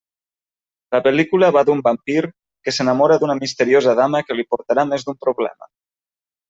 La pel·lícula va d'un vampir que s'enamora d'una misteriosa dama que li portarà més d'un problema.